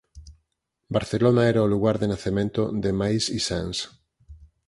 Barcelona era o lugar de nacemento de Mais i Sans.